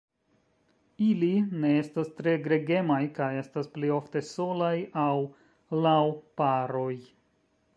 Ili ne estas tre gregemaj kaj estas plej ofte solaj aŭ laŭ paroj.